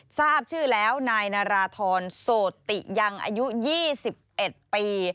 ทราบชื่อแล้วนายนาราธรโสติยังอายุ๒๑ปี